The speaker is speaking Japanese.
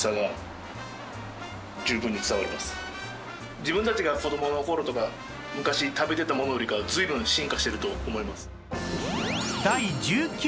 自分たちが子どもの頃とか昔食べていたものよりかは随分進化してると思います。